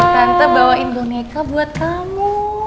tante bawain boneka buat kamu